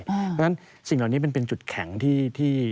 เพราะฉะนั้นสิ่งเหล่านี้มันเป็นจุดแข็งที่